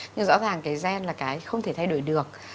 nhưng rõ ràng cái gen là cái không thể thay đổi được